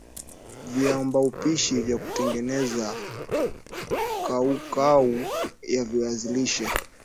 Viambaupishi vya kutengeneza kaukau ya viazi lishe